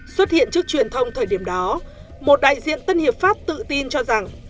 xuất hiện trước truyền thông thời điểm đó một đại diện tân hiệp pháp tự tin cho rằng